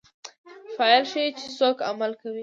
فاعل ښيي، چي څوک عمل کوي.